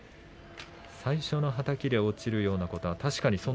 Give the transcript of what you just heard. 最初のはたきで落ちるようなことは確かに。